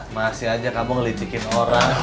makasih aja kamu ngelicikin orang